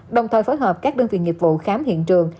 đồng thời phối hợp các đơn vị nghiệp vụ khám hiện trường